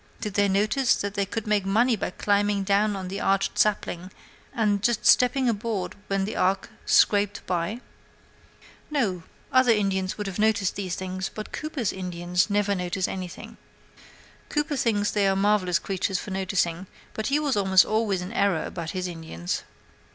Did they notice that they could make money by climbing down out of that arched sapling and just stepping aboard when the ark scraped by? No, other Indians would have noticed these things, but Cooper's Indians never notice anything. Cooper thinks they are marvelous creatures for noticing, but he was almost always in error about his Indians.